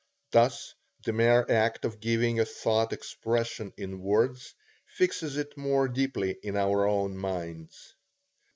Thus the mere act of giving a thought expression in words, fixes it more deeply in our own minds.